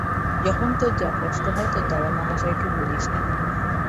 যখন তোর যা কষ্ট হয় তোর দাদামহাশয়কে বলিস না কেন?